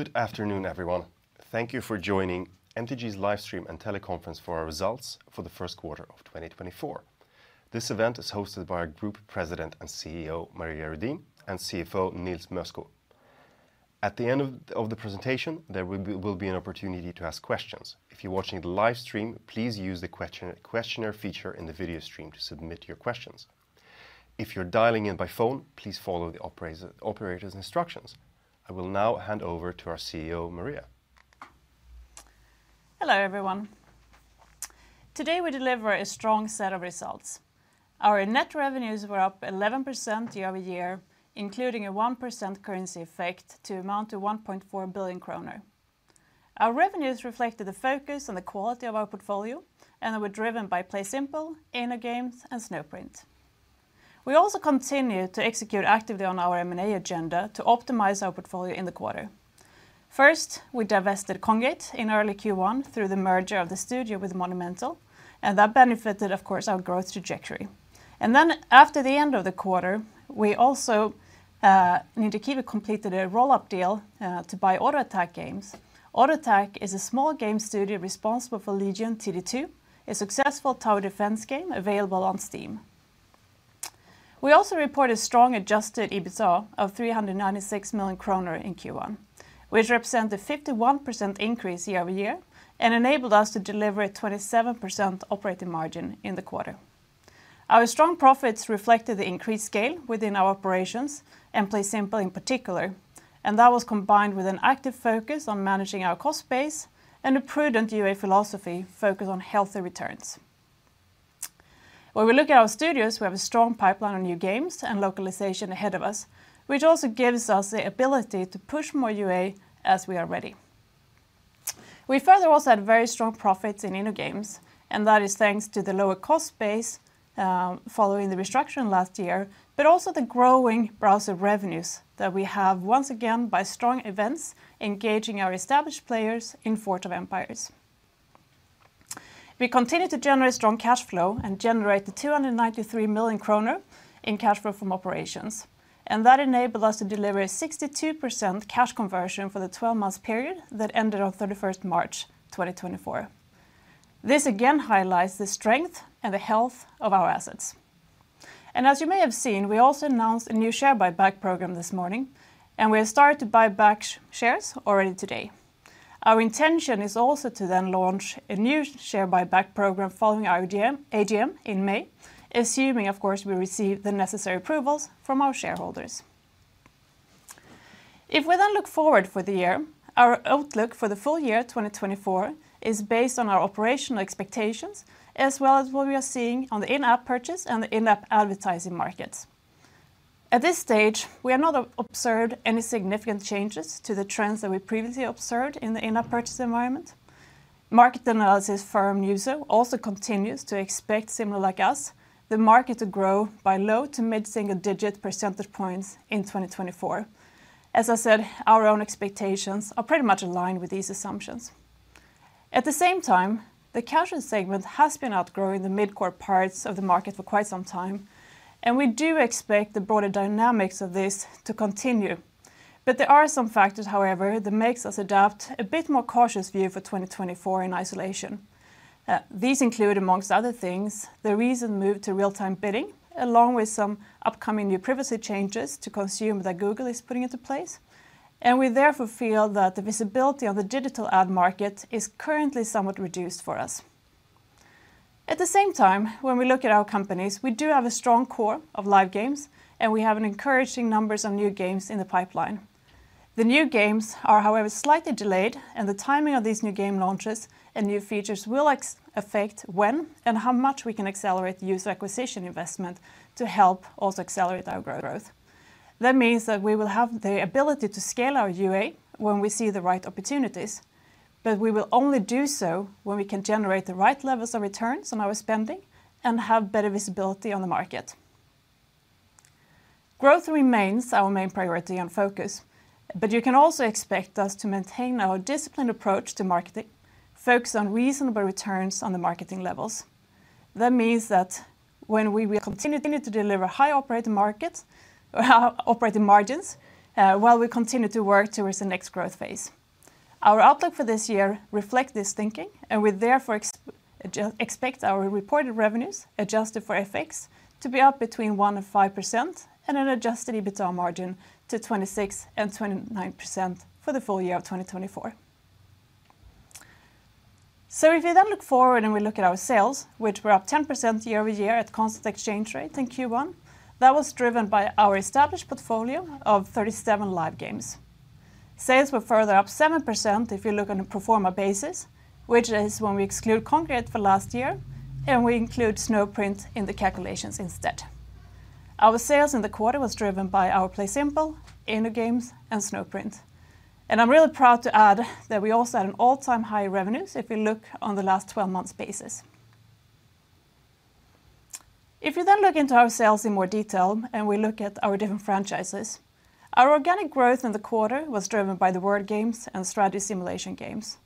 Good afternoon, everyone. Thank you for joining MTG's live stream and teleconference for our results for the first quarter of 2024. This event is hosted by our Group President and CEO, Maria Redin, and CFO, Nils Mösko. At the end of the presentation, there will be an opportunity to ask questions. If you're watching the live stream, please use the questionnaire feature in the video stream to submit your questions. If you're dialing in by phone, please follow the operator's instructions. I will now hand over to our CEO, Maria. Hello, everyone. Today we deliver a strong set of results. Our net revenues were up 11% year-over-year, including a 1% currency effect to amount to 1.4 billion kronor. Our revenues reflected the focus and the quality of our portfolio, and they were driven by PlaySimple, InnoGames, and Snowprint. We also continued to execute actively on our M&A agenda to optimize our portfolio in the quarter. First, we divested Kongregate in early Q1 through the merger of the studio with Monumental, and that benefited, of course, our growth trajectory. And then after the end of the quarter, we also, Ninja Kiwi completed a roll-up deal, to buy AutoAttack Games. AutoAttack is a small game studio responsible for Legion TD 2, a successful tower defense game available on Steam. We also reported strong adjusted EBITDA of 396 million kronor in Q1, which represented a 51% increase year-over-year and enabled us to deliver a 27% operating margin in the quarter. Our strong profits reflected the increased scale within our operations and PlaySimple in particular, and that was combined with an active focus on managing our cost base and a prudent UA philosophy focused on healthy returns. When we look at our studios, we have a strong pipeline on new games and localization ahead of us, which also gives us the ability to push more UA as we are ready. We further also had very strong profits in InnoGames, and that is thanks to the lower cost base, following the restructure last year, but also the growing browser revenues that we have once again by strong events engaging our established players in Forge of Empires. We continue to generate strong cash flow and generate 293 million kronor in cash flow from operations, and that enabled us to deliver a 62% cash conversion for the twelve-month period that ended on 31st March 2024. This again highlights the strength and the health of our assets. And as you may have seen, we also announced a new share buyback program this morning, and we have started to buy back shares already today. Our intention is also to then launch a new share buyback program following our AGM in May, assuming, of course, we receive the necessary approvals from our shareholders. If we then look forward for the year, our outlook for the full year 2024 is based on our operational expectations as well as what we are seeing on the in-app purchase and the in-app advertising markets. At this stage, we have not observed any significant changes to the trends that we previously observed in the in-app purchase environment. Market analysis firm Newzoo also continues to expect, similar like us, the market to grow by low- to mid-single-digit percentage points in 2024. As I said, our own expectations are pretty much in line with these assumptions. At the same time, the casual segment has been outgrowing the mid-core parts of the market for quite some time, and we do expect the broader dynamics of this to continue. But there are some factors, however, that makes us adopt a bit more cautious view for 2024 in isolation. These include, among other things, the recent move to real-time bidding, along with some upcoming new privacy changes to come that Google is putting into place, and we therefore feel that the visibility of the digital ad market is currently somewhat reduced for us. At the same time, when we look at our companies, we do have a strong core of live games, and we have an encouraging numbers of new games in the pipeline. The new games are, however, slightly delayed, and the timing of these new game launches and new features will affect when and how much we can accelerate user acquisition investment to help also accelerate our growth. That means that we will have the ability to scale our UA when we see the right opportunities, but we will only do so when we can generate the right levels of returns on our spending and have better visibility on the market. Growth remains our main priority and focus, but you can also expect us to maintain our disciplined approach to marketing, focused on reasonable returns on the marketing levels. That means that when we will continue to deliver high operating markets, operating margins, while we continue to work towards the next growth phase. Our outlook for this year reflect this thinking, and we therefore expect our reported revenues, adjusted for FX, to be up between 1% and 5% and an adjusted EBITDA margin to 26%-29% for the full year of 2024. So if we then look forward and we look at our sales, which were up 10% year-over-year at constant exchange rate in Q1, that was driven by our established portfolio of 37 live games. Sales were further up 7% if you look on a pro forma basis, which is when we exclude Kongregate for last year, and we include Snowprint in the calculations instead. Our sales in the quarter was driven by our PlaySimple, InnoGames, and Snowprint, and I'm really proud to add that we also had an all-time high revenues if we look on the last twelve months basis. If you then look into our sales in more detail, and we look at our different franchises, our organic growth in the quarter was driven by the word games and strategy simulation games.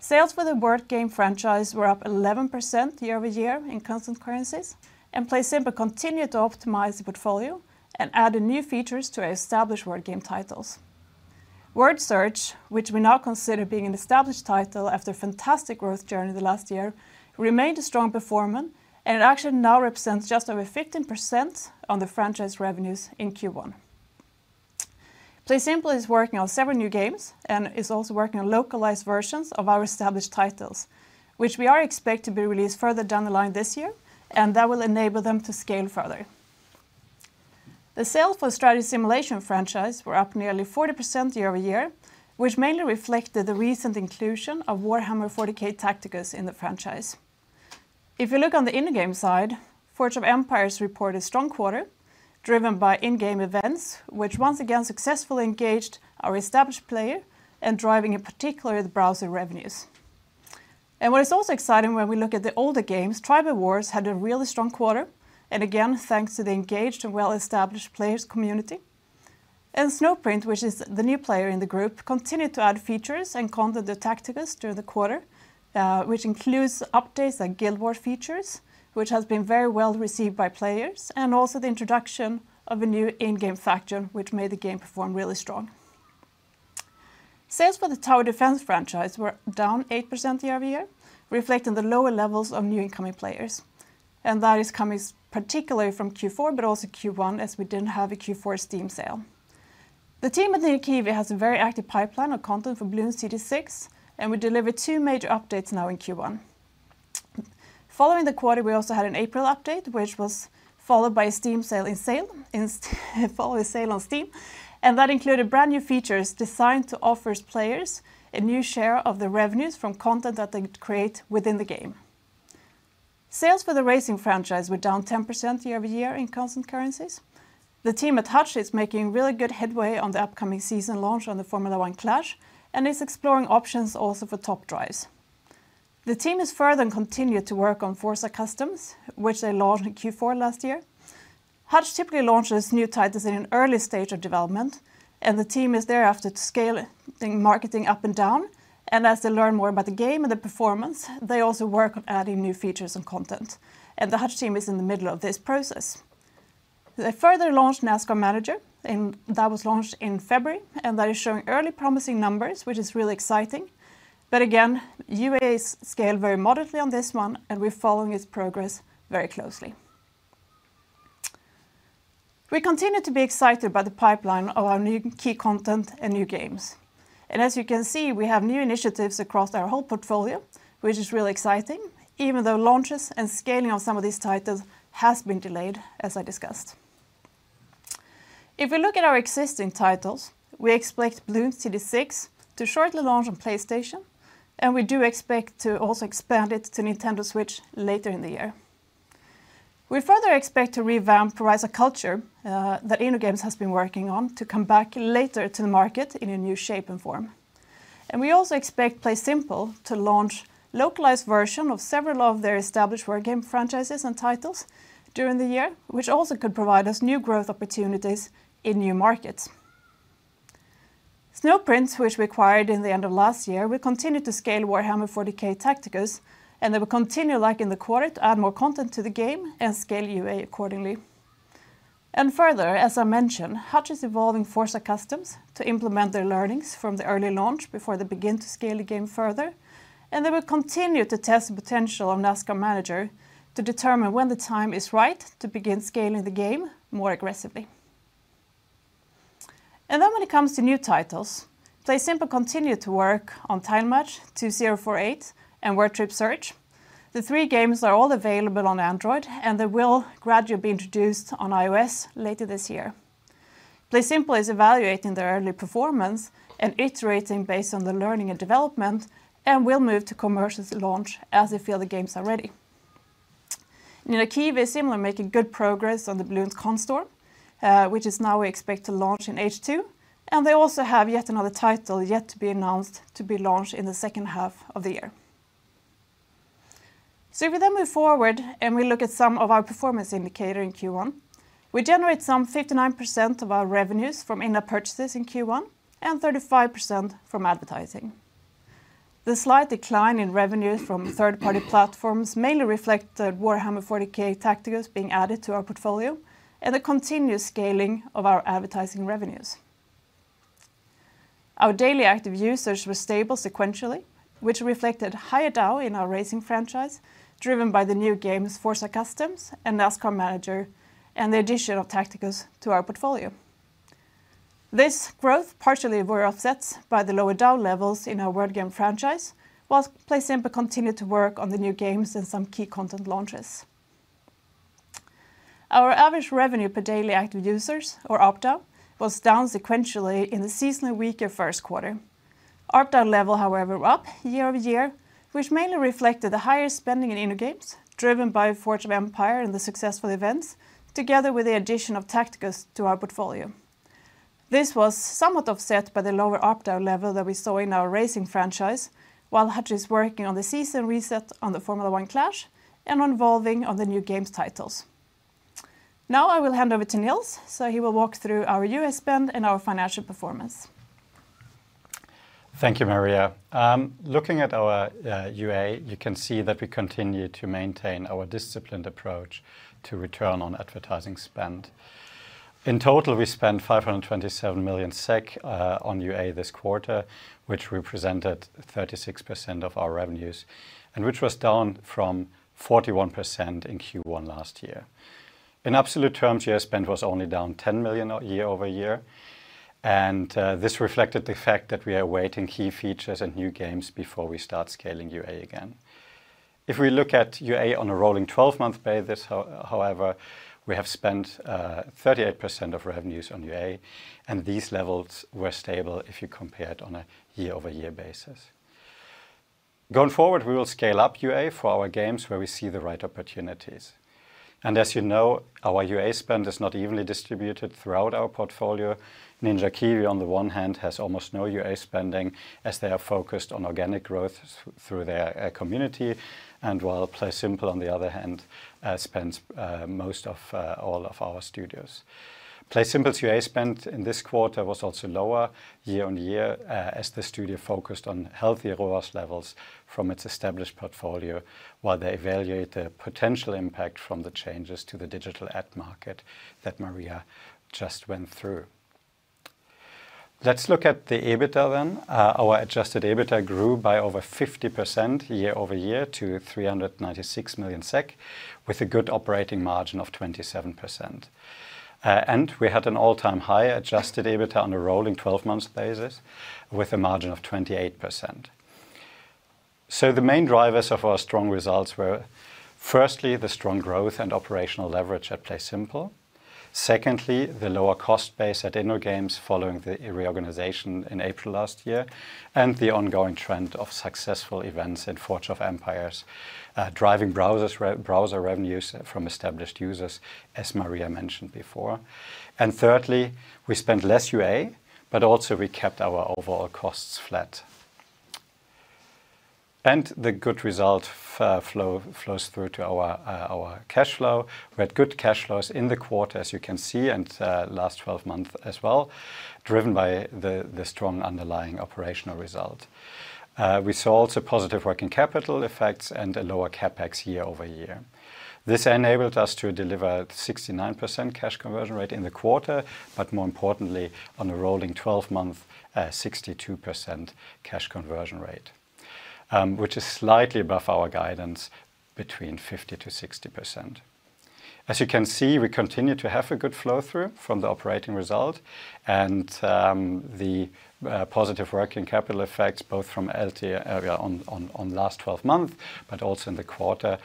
Sales for the Word Game franchise were up 11% year-over-year in constant currencies, and PlaySimple continued to optimize the portfolio and added new features to our established word game titles. Word Search, which we now consider being an established title after a fantastic growth journey in the last year, remained a strong performer, and it actually now represents just over 15% on the franchise revenues in Q1. PlaySimple is working on several new games and is also working on localized versions of our established titles, which we are expect to be released further down the line this year, and that will enable them to scale further. The sales for the Strategy and Simulation franchise were up nearly 40% year-over-year, which mainly reflected the recent inclusion of Warhammer 40,000: Tacticus in the franchise. If you look on the in-game side, Forge of Empires reported a strong quarter, driven by in-game events, which once again successfully engaged our established players and driving, in particular, the browser revenues. What is also exciting when we look at the older games, Tribal Wars had a really strong quarter, and again, thanks to the engaged and well-established players community. Snowprint, which is the new player in the group, continued to add features and content to Tacticus during the quarter, which includes updates like Guild War features, which has been very well received by players, and also the introduction of a new in-game faction, which made the game perform really strong. Sales for the Tower Defense franchise were down 8% year-over-year, reflecting the lower levels of new incoming players. That is coming particularly from Q4, but also Q1, as we didn't have a Q4 Steam sale. The team at Ninja Kiwi has a very active pipeline of content for Bloons TD 6, and we delivered 2 major updates now in Q1. Following the quarter, we also had an April update, which was followed by a Steam sale, following a sale on Steam, and that included brand new features designed to offer players a new share of the revenues from content that they create within the game. Sales for the Racing franchise were down 10% year-over-year in constant currencies. The team at Hutch is making really good headway on the upcoming season launch on the Formula One Clash, and is exploring options also for Top Drives. The team is further and continued to work on Forza Customs, which they launched in Q4 last year. Hutch typically launches new titles in an early stage of development, and the team is thereafter to scale the marketing up and down, and as they learn more about the game and the performance, they also work on adding new features and content, and the Hutch team is in the middle of this process. They further launched NASCAR Manager, and that was launched in February, and that is showing early promising numbers, which is really exciting. But again, UA's scale very moderately on this one, and we're following its progress very closely. We continue to be excited by the pipeline of our new key content and new games. And as you can see, we have new initiatives across our whole portfolio, which is really exciting, even though launches and scaling of some of these titles has been delayed, as I discussed. If we look at our existing titles, we expect Bloons TD 6 to shortly launch on PlayStation, and we do expect to also expand it to Nintendo Switch later in the year. We further expect to revamp Rise of Cultures, that InnoGames has been working on to come back later to the market in a new shape and form. And we also expect PlaySimple to launch localized version of several of their established word game franchises and titles during the year, which also could provide us new growth opportunities in new markets. Snowprint, which we acquired in the end of last year, will continue to scale Warhammer 40,000: Tacticus, and they will continue, like in the quarter, to add more content to the game and scale UA accordingly. Further, as I mentioned, Hutch is evolving Forza Customs to implement their learnings from the early launch before they begin to scale the game further, and they will continue to test the potential of NASCAR Manager to determine when the time is right to begin scaling the game more aggressively. Then when it comes to new titles, PlaySimple continue to work on Tile Match, 2048, and Word Trip Search. The three games are all available on Android, and they will gradually be introduced on iOS later this year. PlaySimple is evaluating their early performance and iterating based on the learning and development, and will move to commercial launch as they feel the games are ready. In Ninja Kiwi, we're making good progress on the Bloons Card Storm, which is now we expect to launch in H2, and they also have yet another title yet to be announced to be launched in the second half of the year. So if we then move forward, and we look at some of our performance indicator in Q1, we generate some 59% of our revenues from in-app purchases in Q1 and 35% from advertising. The slight decline in revenue from third-party platforms mainly reflect the Warhammer 40K: Tacticus being added to our portfolio and the continuous scaling of our advertising revenues. Our daily active users were stable sequentially, which reflected higher DAU in our Racing franchise, driven by the new games, Forza Customs and NASCAR Manager, and the addition of Tacticus to our portfolio. This growth partially were offsets by the lower DAU levels in our Word Game franchise, while PlaySimple continued to work on the new games and some key content launches. Our average revenue per daily active users, or ARPDAU, was down sequentially in the seasonally weaker first quarter. ARPDAU level, however, up year over year, which mainly reflected the higher spending in InnoGames, driven by Forge of Empires and the successful events, together with the addition of Tacticus to our portfolio. This was somewhat offset by the lower ARPDAU level that we saw in our Racing franchise, while Hutch is working on the season reset on the Formula One Clash and on evolving of the new games titles. Now I will hand over to Nils, so he will walk through our UA spend and our financial performance. Thank you, Maria. Looking at our UA, you can see that we continue to maintain our disciplined approach to return on advertising spend. In total, we spent 527 million SEK on UA this quarter, which represented 36% of our revenues, and which was down from 41% in Q1 last year. In absolute terms, UA spend was only down 10 million year-over-year, and this reflected the fact that we are awaiting key features and new games before we start scaling UA again. If we look at UA on a rolling twelve-month basis, however, we have spent 38% of revenues on UA, and these levels were stable if you compare it on a year-over-year basis. Going forward, we will scale up UA for our games where we see the right opportunities, and as you know, our UA spend is not evenly distributed throughout our portfolio. Ninja Kiwi, on the one hand, has almost no UA spending, as they are focused on organic growth through their community, and while PlaySimple, on the other hand, spends most of all of our studios. PlaySimple's UA spend in this quarter was also lower year-on-year, as the studio focused on healthier ROAS levels from its established portfolio while they evaluate the potential impact from the changes to the digital ad market that Maria just went through. Let's look at the EBITDA then. Our adjusted EBITDA grew by over 50% year-over-year to 396 million SEK, with a good operating margin of 27%. We had an all-time high adjusted EBITDA on a rolling twelve-month basis, with a margin of 28%. So the main drivers of our strong results were, firstly, the strong growth and operational leverage at PlaySimple; secondly, the lower cost base at InnoGames, following the reorganization in April last year; and the ongoing trend of successful events in Forge of Empires, driving browser revenues from established users, as Maria mentioned before. And thirdly, we spent less UA, but also we kept our overall costs flat. And the good result flows through to our cash flow. We had good cash flows in the quarter, as you can see, and last twelve month as well, driven by the strong underlying operational result. We saw also positive working capital effects and a lower CapEx year-over-year. This enabled us to deliver 69% cash conversion rate in the quarter, but more importantly, on a rolling twelve-month, 62% cash conversion rate, which is slightly above our guidance between 50%-60%. As you can see, we continue to have a good flow-through from the operating result and, the, positive working capital effects, both from LTM area on, on, last twelve months, but also in the quarter.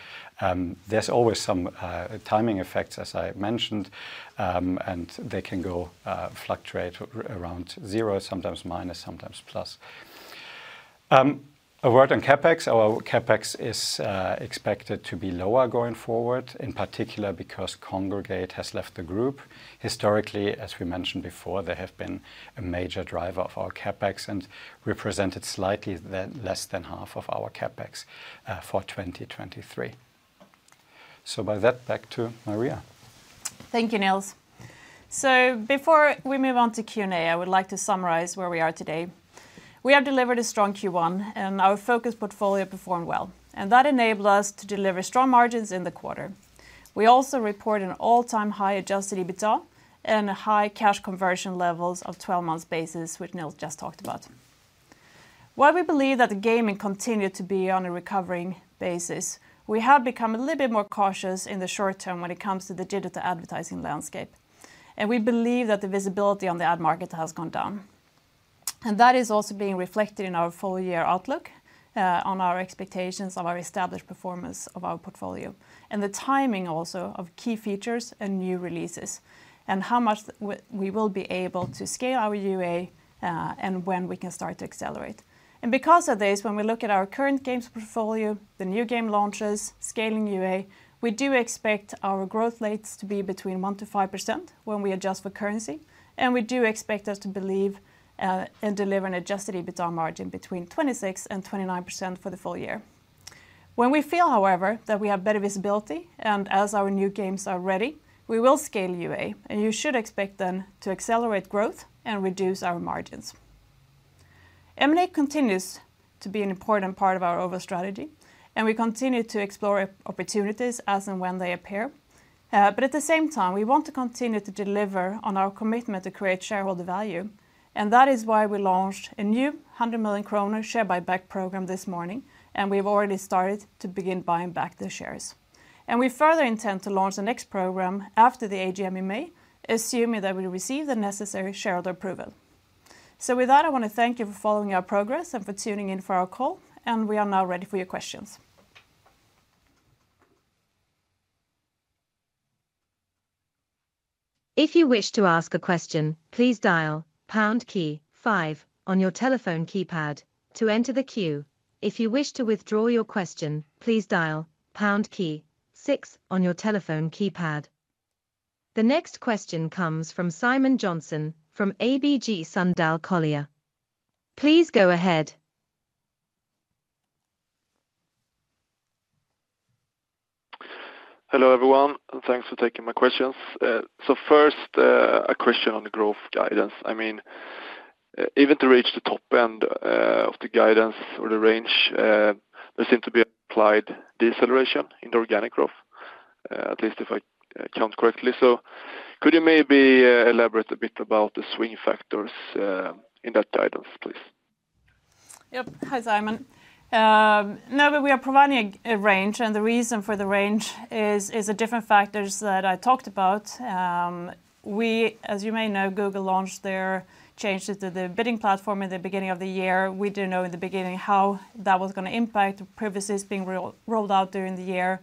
There's always some, timing effects, as I mentioned, and they can go, fluctuate around zero, sometimes minus, sometimes plus. A word on CapEx. Our CapEx is, expected to be lower going forward, in particular, because Kongregate has left the group. Historically, as we mentioned before, they have been a major driver of our CapEx and represented slightly less than half of our CapEx, for 2023. So by that, back to Maria. Thank you, Nils. So before we move on to Q&A, I would like to summarize where we are today. We have delivered a strong Q1, and our focused portfolio performed well, and that enabled us to deliver strong margins in the quarter. We also report an all-time high adjusted EBITDA and high cash conversion levels on a 12-month basis, which Nils just talked about. While we believe that the gaming continued to be on a recovering basis, we have become a little bit more cautious in the short term when it comes to the digital advertising landscape, and we believe that the visibility on the ad market has gone down. That is also being reflected in our full-year outlook on our expectations of our established performance of our portfolio, and the timing also of key features and new releases, and how much we will be able to scale our UA, and when we can start to accelerate. Because of this, when we look at our current games portfolio, the new game launches, scaling UA, we do expect our growth rates to be between 1%-5% when we adjust for currency, and we do expect us to believe and deliver an adjusted EBITDA margin between 26% and 29% for the full year. When we feel, however, that we have better visibility, and as our new games are ready, we will scale UA, and you should expect then to accelerate growth and reduce our margins. M&A continues to be an important part of our overall strategy, and we continue to explore opportunities as and when they appear. But at the same time, we want to continue to deliver on our commitment to create shareholder value, and that is why we launched a new 100 million kronor share buyback program this morning, and we've already started to begin buying back the shares. We further intend to launch the next program after the AGM in May, assuming that we receive the necessary shareholder approval. So with that, I want to thank you for following our progress and for tuning in for our call, and we are now ready for your questions. If you wish to ask a question, please dial pound key five on your telephone keypad to enter the queue. If you wish to withdraw your question, please dial pound key six on your telephone keypad. The next question comes from Simon Jönsson from ABG Sundal Collier. Please go ahead. Hello, everyone, and thanks for taking my questions. So first, a question on the growth guidance. I mean, even to reach the top end of the guidance or the range, there seem to be implied deceleration in the organic growth, at least if I count correctly. So could you maybe elaborate a bit about the swing factors in that guidance, please? Yep. Hi, Simon. Now that we are providing a, a range, and the reason for the range is, is the different factors that I talked about. We, as you may know, Google launched their change to the, the bidding platform at the beginning of the year. We didn't know in the beginning how that was going to impact the privacy being rolled out during the year.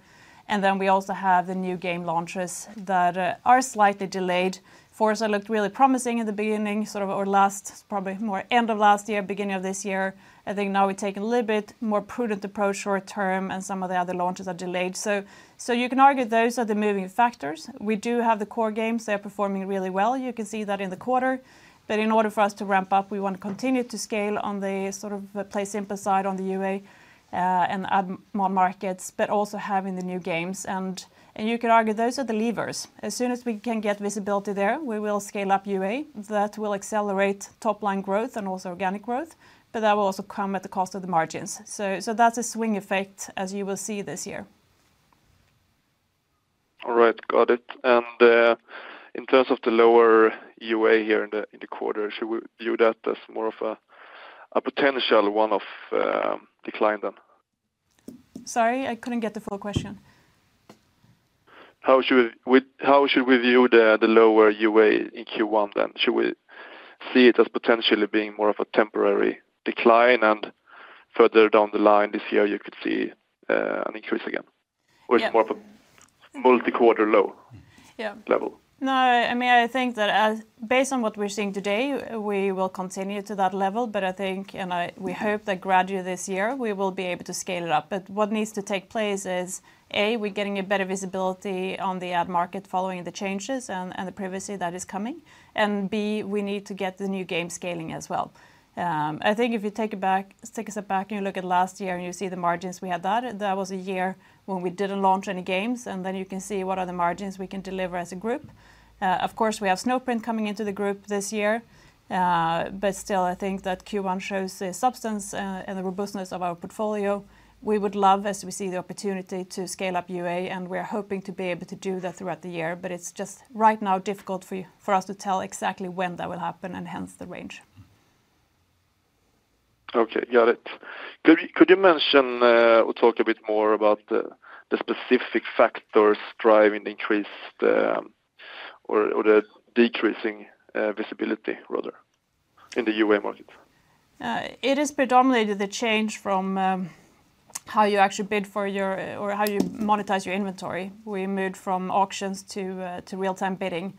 And then we also have the new game launches that are slightly delayed. Forza looked really promising in the beginning, sort of our last, probably more end of last year, beginning of this year. I think now we take a little bit more prudent approach short term, and some of the other launches are delayed. So, so you can argue those are the moving factors. We do have the core games. They are performing really well. You can see that in the quarter, but in order for us to ramp up, we want to continue to scale on the sort of the PlaySimple side on the UA, and add more markets, but also having the new games. And, and you could argue those are the levers. As soon as we can get visibility there, we will scale up UA. That will accelerate top line growth and also organic growth, but that will also come at the cost of the margins. So, so that's a swing effect, as you will see this year. All right, got it. And, in terms of the lower UA here in the quarter, should we view that as more of a potential one-off decline, then? Sorry, I couldn't get the full question. How should we view the lower UA in Q1, then? Should we see it as potentially being more of a temporary decline, and further down the line this year, you could see an increase again? Yeah. Or it's more of a multi-quarter low- Yeah. No, I mean, I think that as, based on what we're seeing today, we will continue to that level, but I think, and we hope that gradually this year, we will be able to scale it up. But what needs to take place is, A, we're getting a better visibility on the ad market following the changes and the privacy that is coming, and B, we need to get the new game scaling as well. I think if you take it back, take a step back and you look at last year, and you see the margins we had, that was a year when we didn't launch any games, and then you can see what are the margins we can deliver as a group. Of course, we have Snowprint coming into the group this year, but still, I think that Q1 shows the substance, and the robustness of our portfolio. We would love, as we see the opportunity, to scale up UA, and we are hoping to be able to do that throughout the year. But it's just right now difficult for us to tell exactly when that will happen, and hence the range. Okay, got it. Could you mention or talk a bit more about the specific factors driving increased or, rather, the decreasing visibility in the UA market? It is predominantly the change from how you actually bid for your or how you monetize your inventory. We moved from auctions to real-time bidding,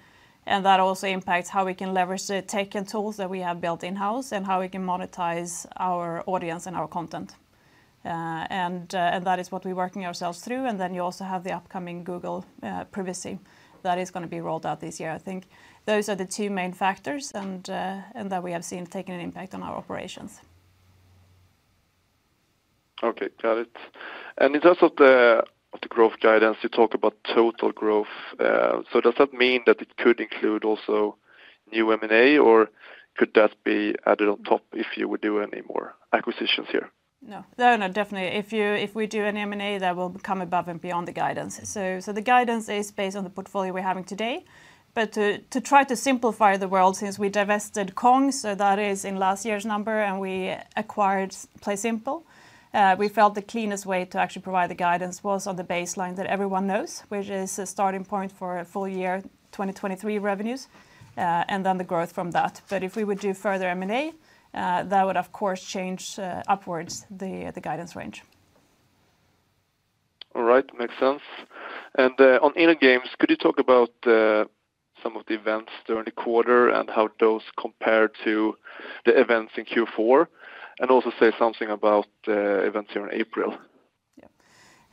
and that also impacts how we can leverage the tech and tools that we have built in-house and how we can monetize our audience and our content. That is what we're working ourselves through, and then you also have the upcoming Google privacy that is going to be rolled out this year. I think those are the two main factors and that we have seen taking an impact on our operations. Okay, got it. In terms of the growth guidance, you talk about total growth. So does that mean that it could include also new M&A, or could that be added on top if you would do any more acquisitions here? No. No, no, definitely, if you, if we do any M&A, that will come above and beyond the guidance. So the guidance is based on the portfolio we're having today. But to try to simplify the world, since we divested Kong, so that is in last year's number, and we acquired PlaySimple, we felt the cleanest way to actually provide the guidance was on the baseline that everyone knows, which is a starting point for full year 2023 revenues, and then the growth from that. But if we would do further M&A, that would of course change upwards the guidance range. All right. Makes sense. And, on InnoGames, could you talk about some of the events during the quarter and how those compare to the events in Q4? And also say something about events here in April.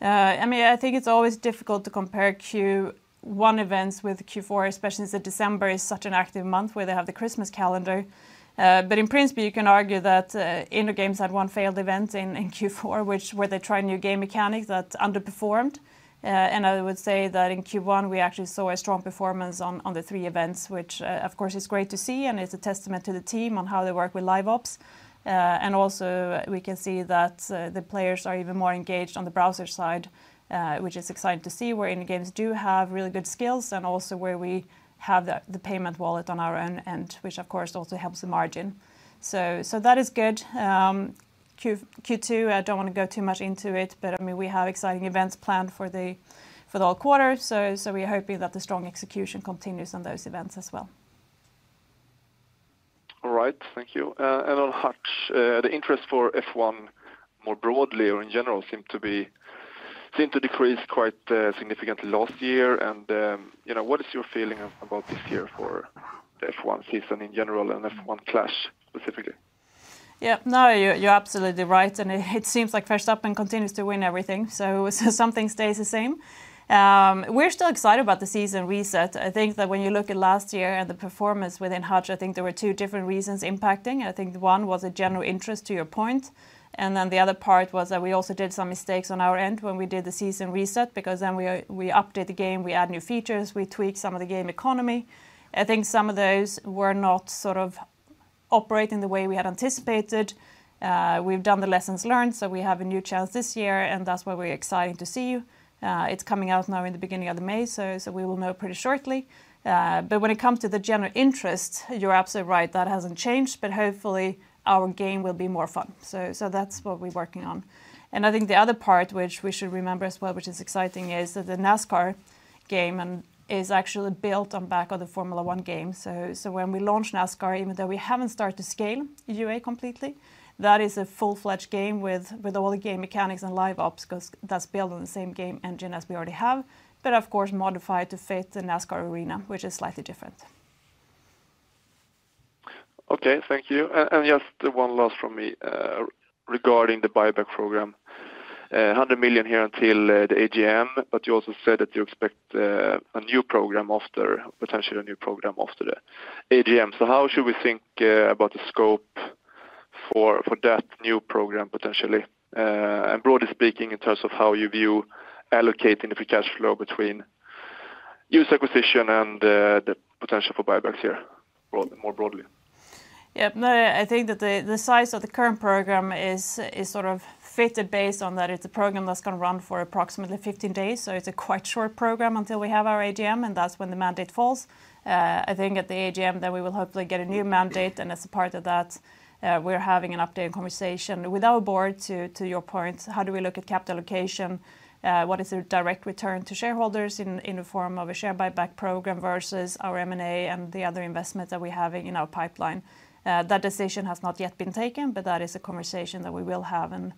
Yeah. I mean, I think it's always difficult to compare Q1 events with Q4, especially since December is such an active month, where they have the Christmas calendar. But in principle, you can argue that InnoGames had one failed event in Q4, where they tried new game mechanics that underperformed. And I would say that in Q1, we actually saw a strong performance on the three events, which of course is great to see, and it's a testament to the team on how they work with Live Ops. And also, we can see that the players are even more engaged on the browser side, which is exciting to see, where InnoGames do have really good skills and also where we have the payment wallet on our own, and which of course also helps the margin. So that is good. Q2, I don't want to go too much into it, but, I mean, we have exciting events planned for the whole quarter, so we're hoping that the strong execution continues on those events as well. All right. Thank you. And on Hutch, the interest for F1 more broadly or in general seem to decrease quite significantly last year. And, you know, what is your feeling about this year for the F1 season in general and F1 Clash specifically?... Yeah, no, you're, you're absolutely right, and it, it seems like Verstappen continues to win everything, so something stays the same. We're still excited about the season reset. I think that when you look at last year and the performance within Hutch, I think there were two different reasons impacting. I think one was a general interest, to your point, and then the other part was that we also did some mistakes on our end when we did the season reset, because then we update the game, we add new features, we tweak some of the game economy. I think some of those were not sort of operating the way we had anticipated. We've done the lessons learned, so we have a new chance this year, and that's why we're excited to see. It's coming out now in the beginning of May, so, so we will know pretty shortly. But when it comes to the general interest, you're absolutely right, that hasn't changed, but hopefully our game will be more fun. So, so that's what we're working on. And I think the other part, which we should remember as well, which is exciting, is that the NASCAR game and is actually built on back of the Formula One game. So, so when we launch NASCAR, even though we haven't started to scale UA completely, that is a full-fledged game with, with all the game mechanics and live ops, 'cause that's built on the same game engine as we already have, but of course, modified to fit the NASCAR arena, which is slightly different. Okay. Thank you. And just one last from me. Regarding the buyback program. 100 million here until the AGM, but you also said that you expect a new program after, potentially a new program after the AGM. So how should we think about the scope for that new program, potentially? And broadly speaking, in terms of how you view allocating the free cash flow between user acquisition and the potential for buybacks here, more broadly? Yeah, no, I think that the size of the current program is sort of fitted based on that. It's a program that's gonna run for approximately 15 days, so it's a quite short program until we have our AGM, and that's when the mandate falls. I think at the AGM, then we will hopefully get a new mandate, and as a part of that, we're having an updated conversation with our board, to your point, how do we look at capital allocation? What is the direct return to shareholders in the form of a share buyback program versus our M&A and the other investments that we have in our pipeline? That decision has not yet been taken, but that is a conversation that we will have, and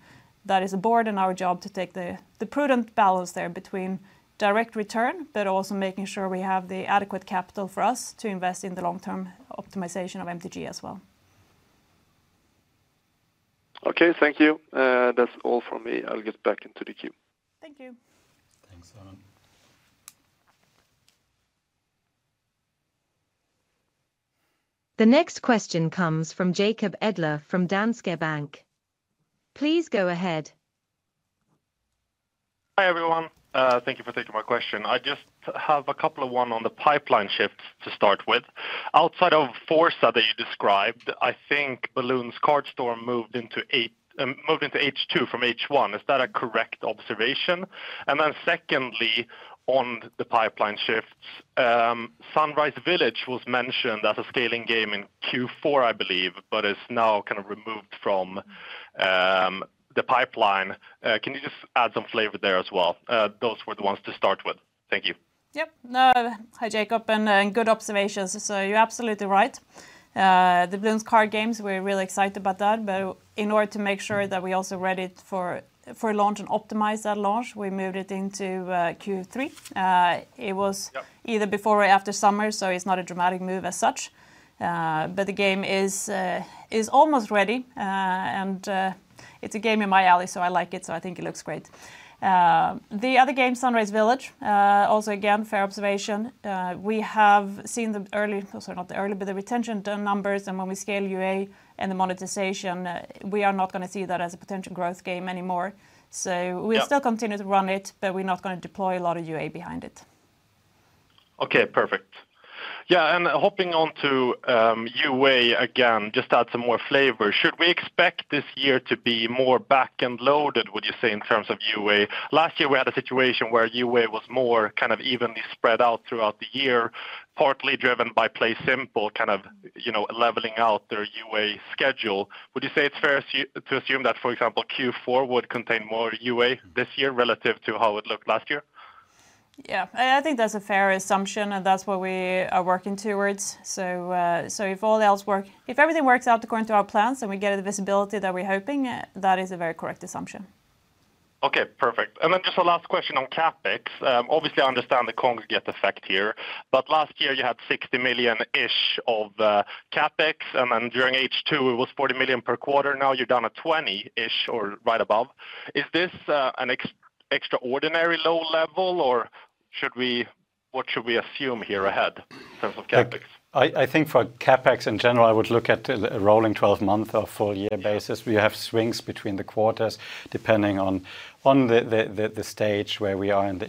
that is the board and our job to take the prudent balance there between direct return, but also making sure we have the adequate capital for us to invest in the long-term optimization of MTG as well. Okay, thank you. That's all from me. I'll get back into the queue. Thank you. Thanks, Simon. The next question comes from Jacob Edler from Danske Bank. Please go ahead. Hi, everyone. Thank you for taking my question. I just have a couple of one on the pipeline shift to start with. Outside of Forza that you described, I think Bloons Card Storm moved into H2 from H1. Is that a correct observation? And then secondly, on the pipeline shifts, Sunrise Village was mentioned as a scaling game in Q4, I believe, but is now kind of removed from the pipeline. Can you just add some flavor there as well? Those were the ones to start with. Thank you. Yep. No, hi, Jacob, and, good observations. So you're absolutely right. The Bloons card games, we're really excited about that, but in order to make sure that we also ready it for, for launch and optimize that launch, we moved it into, Q3. It was- Yep ...either before or after summer, so it's not a dramatic move as such. But the game is almost ready, and it's a game in my alley, so I like it, so I think it looks great. The other game, Sunrise Village, also, again, fair observation. We have seen the early. Sorry, not the early, but the retention term numbers and when we scale UA and the monetization, we are not gonna see that as a potential growth game anymore. So- Yep... we'll still continue to run it, but we're not gonna deploy a lot of UA behind it. Okay, perfect. Yeah, and hopping on to UA again, just to add some more flavor, should we expect this year to be more back-loaded, would you say, in terms of UA? Last year, we had a situation where UA was more kind of evenly spread out throughout the year, partly driven by PlaySimple, kind of, you know, leveling out their UA schedule. Would you say it's fair to assume that, for example, Q4 would contain more UA this year relative to how it looked last year? Yeah. I think that's a fair assumption, and that's what we are working towards, so, so if everything works out according to our plans and we get the visibility that we're hoping, that is a very correct assumption. Okay, perfect. And then just a last question on CapEx. Obviously, I understand the Kongregate effect here, but last year, you had 60 million-ish of CapEx, and then during H2, it was 40 million per quarter. Now, you're down to 20 million-ish or right above. Is this an extraordinary low level, or should we—what should we assume here ahead in terms of CapEx? I think for CapEx, in general, I would look at the rolling twelve-month or full year basis. We have swings between the quarters, depending on the stage where we are in the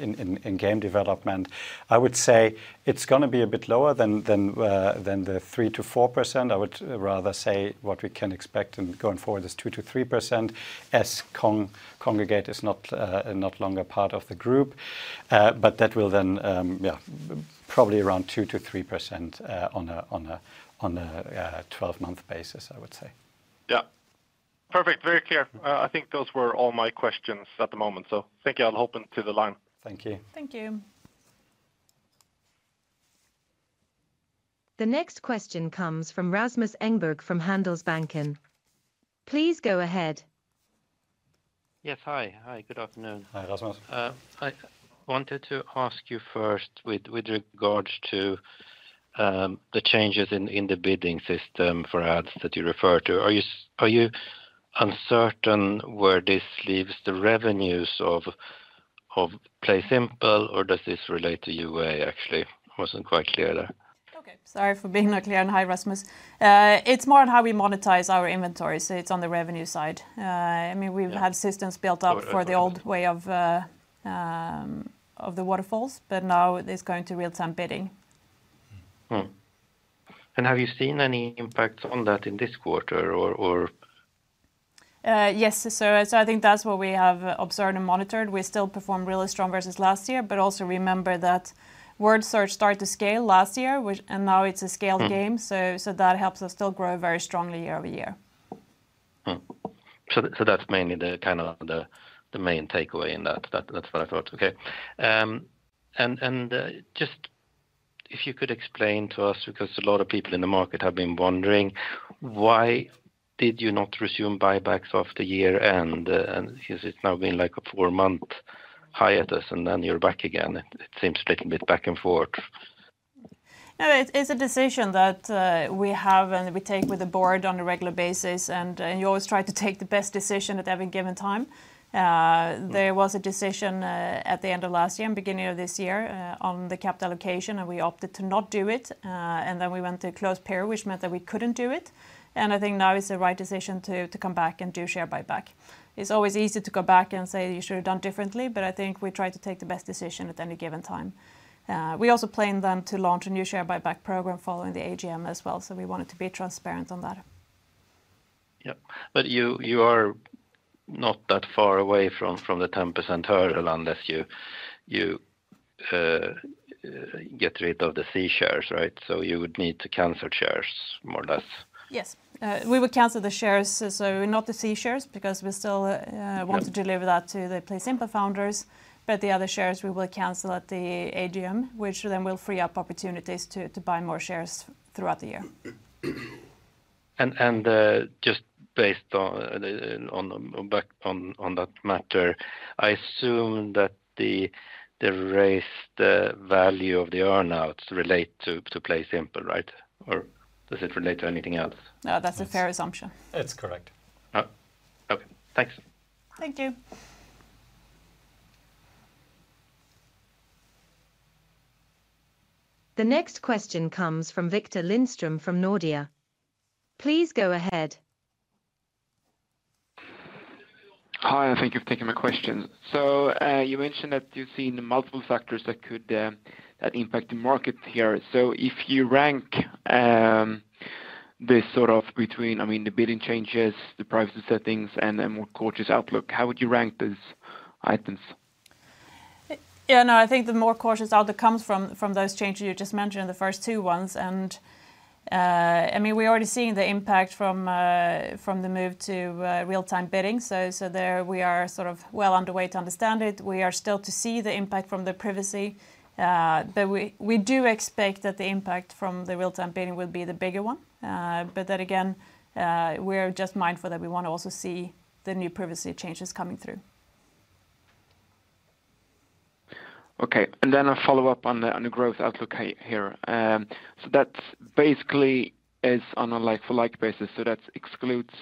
game development. I would say it's gonna be a bit lower than the 3%-4%. I would rather say what we can expect and going forward is 2%-3%, as Kongregate is not longer part of the group. But that will then probably around 2%-3% on a twelve-month basis, I would say. Yep. Perfect. Very clear. I think those were all my questions at the moment, so thank you. I'll hop into the line. Thank you. Thank you. The next question comes from Rasmus Engberg, from Handelsbanken. Please go ahead. Yes. Hi. Hi, good afternoon. Hi, Rasmus. I wanted to ask you first with regards to the changes in the bidding system for ads that you referred to. Are you uncertain where this leaves the revenues of PlaySimple, or does this relate to UA, actually? Wasn't quite clear there. Okay. Sorry for being not clear, and hi, Rasmus. It's more on how we monetize our inventory, so it's on the revenue side. I mean, we've had systems built up for the old way of the waterfall, but now it's going to real-time bidding. Mm-hmm. And have you seen any impact on that in this quarter or, or...? Yes, so I think that's what we have observed and monitored. We still performed really strong versus last year, but also remember that Word Search started to scale last year, which, and now it's a scale game. So that helps us still grow very strongly year-over-year. So that's mainly the kind of the main takeaway in that. That's what I thought. Okay. And just if you could explain to us, because a lot of people in the market have been wondering, why did you not resume buybacks after year, and is it now been, like, a four-month hiatus, and then you're back again? It seems a little bit back and forth. No, it's a decision that we have, and we take with the board on a regular basis, and you always try to take the best decision at every given time there was a decision at the end of last year and beginning of this year on the CapEx allocation, and we opted to not do it, and then we went to closed period, which meant that we couldn't do it, and I think now is the right decision to, to come back and do share buyback. It's always easy to go back and say, "You should have done differently," but I think we try to take the best decision at any given time. We also plan then to launch a new share buyback program following the AGM as well, so we wanted to be transparent on that. Yeah. But you are not that far away from the 10% hurdle unless you get rid of the C shares, right? So you would need to cancel shares more or less. Yes. We would cancel the shares, so not the C shares, because we still want to deliver that to the PlaySimple founders, but the other shares, we will cancel at the AGM, which then will free up opportunities to buy more shares throughout the year. Just based on that matter, I assume that the raised value of the earn-outs relate to PlaySimple, right? Or does it relate to anything else? No, that's a fair assumption. It's correct. Oh, okay. Thanks. Thank you. The next question comes from Viktor Lindström from Nordea. Please go ahead. Hi, and thank you for taking my question. You mentioned that you've seen multiple factors that could, that impact the market here. If you rank this sort of between, I mean, the bidding changes, the privacy settings, and a more cautious outlook, how would you rank those items? Yeah, no, I think the more cautious outcome comes from those changes you just mentioned, the first two ones, and, I mean, we're already seeing the impact from the move to real-time bidding. So, so there we are sort of well underway to understand it. We are still to see the impact from the privacy, but we, we do expect that the impact from the real-time bidding will be the bigger one. But then again, we're just mindful that we want to also see the new privacy changes coming through. Okay, and then a follow-up on the growth outlook here. So that basically is on a like-for-like basis, so that excludes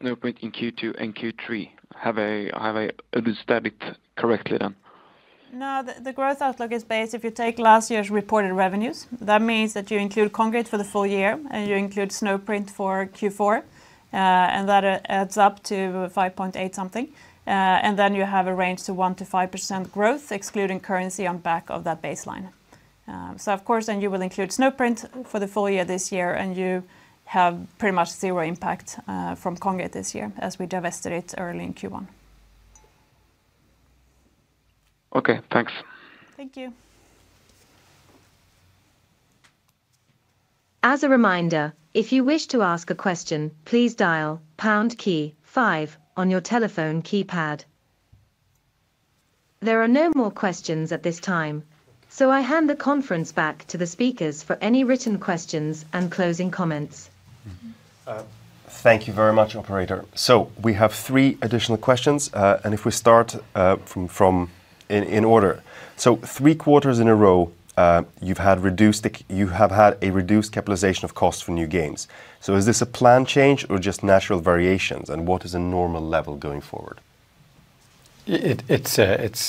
Snowprint in Q2 and Q3. Have I understood it correctly then? No, the growth outlook is based if you take last year's reported revenues, that means that you include Kongregate for the full year, and you include Snowprint for Q4, and that adds up to 5.8 something. And then you have a range to 1%-5% growth, excluding currency on back of that baseline. So of course, then you will include Snowprint for the full year this year, and you have pretty much zero impact from Kongregate this year, as we divested it early in Q1. Okay, thanks. Thank you. As a reminder, if you wish to ask a question, please dial pound key five on your telephone keypad. There are no more questions at this time, so I hand the conference back to the speakers for any written questions and closing comments. Thank you very much, operator. So we have three additional questions, and if we start from in order. So three quarters in a row, you have had a reduced capitalization of costs for new games. So is this a plan change or just natural variations, and what is a normal level going forward? It's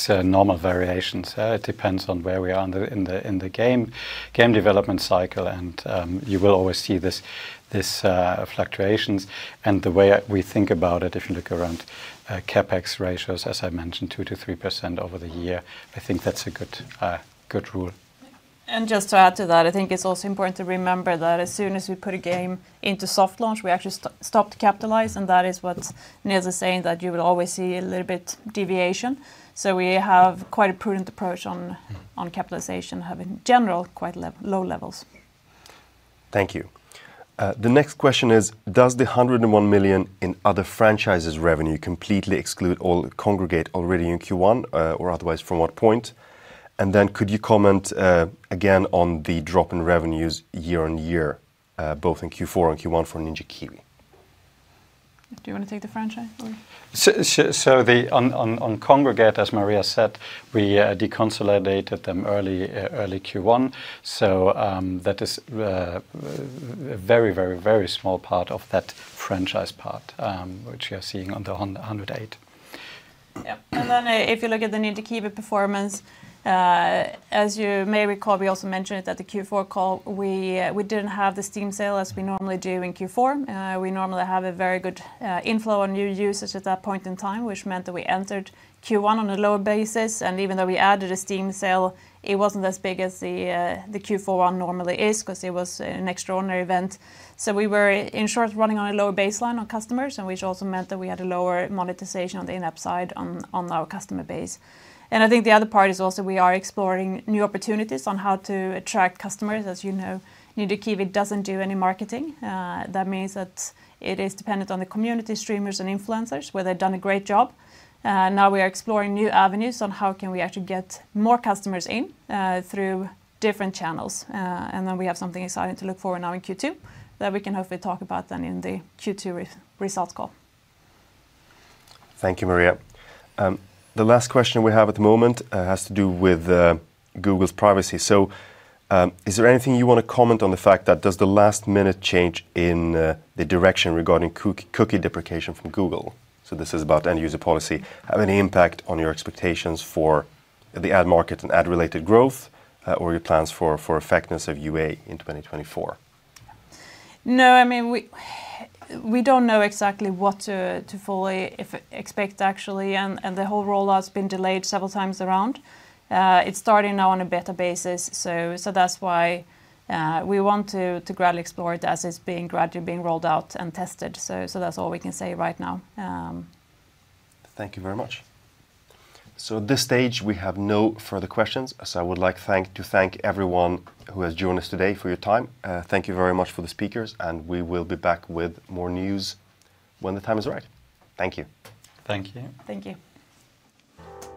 a normal variation. It depends on where we are in the game development cycle, and you will always see this fluctuation, and the way we think about it, if you look around, CapEx ratios, as I mentioned, 2%-3% over the year, I think that's a good rule. And just to add to that, I think it's also important to remember that as soon as we put a game into soft launch, we actually stop to capitalize, and that is what Nils is saying, that you will always see a little bit deviation. So we have quite a prudent approach on capitalization, have, in general, quite low levels. Thank you. The next question is, does the 101 million in other franchises revenue completely exclude all Kongregate already in Q1, or otherwise, from what point? And then could you comment, again, on the drop in revenues year-on-year?... both in Q4 and Q1 for Ninja Kiwi? Do you want to take the franchise, or? So the one on Kongregate, as Maria said, we deconsolidated them early Q1, so that is a very, very, very small part of that franchise part, which you're seeing on the 108. Yep, and then, if you look at the Ninja Kiwi performance, as you may recall, we also mentioned it at the Q4 call, we didn't have the Steam sale as we normally do in Q4. We normally have a very good inflow on new users at that point in time, which meant that we entered Q1 on a lower basis, and even though we added a Steam sale, it wasn't as big as the Q4 one normally is, 'cause it was an extraordinary event. So we were, in short, running on a lower baseline on customers, and which also meant that we had a lower monetization on the in-app side on our customer base. And I think the other part is also we are exploring new opportunities on how to attract customers. As you know, Ninja Kiwi doesn't do any marketing. That means that it is dependent on the community streamers and influencers, where they've done a great job. Now we are exploring new avenues on how can we actually get more customers in through different channels. And then we have something exciting to look forward now in Q2, that we can hopefully talk about then in the Q2 results call. Thank you, Maria. The last question we have at the moment has to do with Google's privacy. So, is there anything you want to comment on the fact that does the last-minute change in the direction regarding cookie deprecation from Google, so this is about end-user policy, have any impact on your expectations for the ad market and ad-related growth, or your plans for effectiveness of UA in 2024? No, I mean, we don't know exactly what to fully expect, actually, and the whole rollout's been delayed several times around. It's starting now on a beta basis, so that's why we want to gradually explore it as it's being gradually rolled out and tested. So that's all we can say right now. Thank you very much. So at this stage, we have no further questions, so I would like to thank everyone who has joined us today for your time. Thank you very much for the speakers, and we will be back with more news when the time is right. Thank you. Thank you. Thank you.